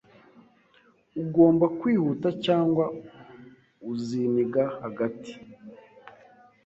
Ugomba kwihuta cyangwa uziniga hagati